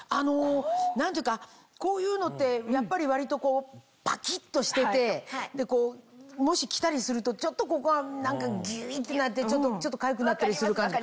何というかこういうのってやっぱり割とこうパキっとしててもし着たりするとちょっとここが何かギュイってなってちょっとかゆくなったりする感じ。